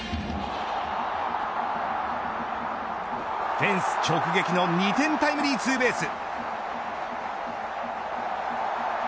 フェンス直撃の２点タイムリーツーベース。